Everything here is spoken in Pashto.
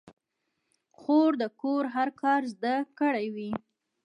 خور د کور هر کار زده کړی وي.